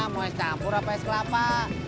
mau es campur apa es kelapa